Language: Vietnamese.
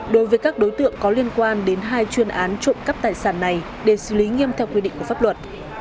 đối với các đối tượng có liên quan đến hai chuyên án trộm cắp tài sản này để xử lý nghiêm theo quy định của pháp luật